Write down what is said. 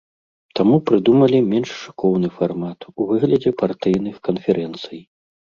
Таму прыдумалі менш шыкоўны фармат у выглядзе партыйных канферэнцый.